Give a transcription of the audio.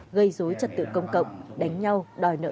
gây dối trật tự công cộng đánh nhau đòi nợ